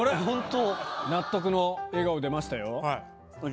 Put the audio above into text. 納得の笑顔出ましたよ。